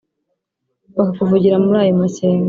bakakuvugira muri ayo mashyengo.